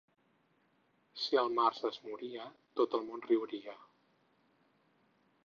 Si el març es moria, tot el món riuria.